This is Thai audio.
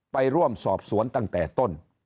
ไปร่วมสอบสวนตั้งแต่ต้น